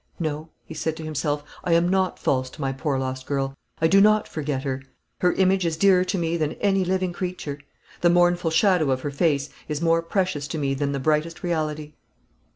"No," he said to himself, "I am not false to my poor lost girl; I do not forget her. Her image is dearer to me than any living creature. The mournful shadow of her face is more precious to me than the brightest reality."